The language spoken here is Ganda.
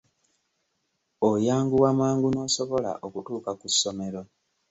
Oyanguwa mangu n'osobola okutuuka ku ssomero.